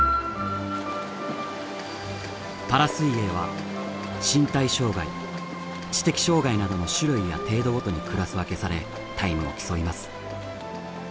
パラ水泳は身体障がい知的障がいなどの種類や程度ごとにクラス分けされタイムを競います。